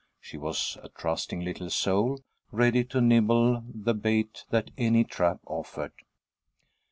She was a trusting little soul, ready to nibble the bait that any trap offered.